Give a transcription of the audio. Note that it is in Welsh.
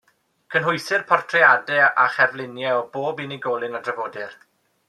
Cynhwysir portreadau a cherfluniau o bob unigolyn a drafodir.